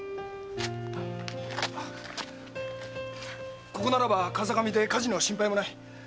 〔ここならば風上で火事の心配もない〕